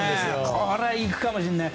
これはいくかもしれない！